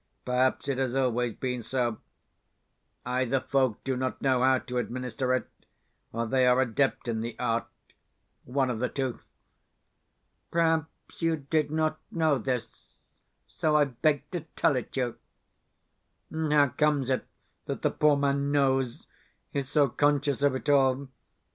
Perhaps it has always been so. Either folk do not know how to administer it, or they are adept in the art one of the two. Perhaps you did not know this, so I beg to tell it you. And how comes it that the poor man knows, is so conscious of it all?